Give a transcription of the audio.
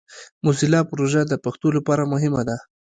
موزیلا پروژه د پښتو لپاره مهمه ده.